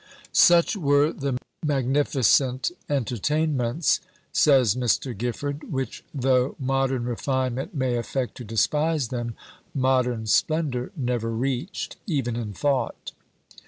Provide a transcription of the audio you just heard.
"Such were the magnificent entertainments," says Mr. Gifford, "which, though modern refinement may affect to despise them, modern splendour never reached, even in thought."